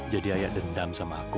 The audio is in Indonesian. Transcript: jadi ayah dendam sama aku